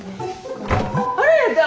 あらやだ。